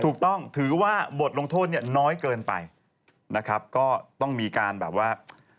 ถูกต้องถือว่าบทลงโทษเนี่ยน้อยเกินไปนะครับก็ต้องมีการแบบว่า